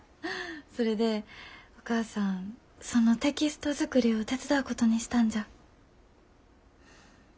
それでお母さんそのテキストづくりを手伝うことにしたんじゃ。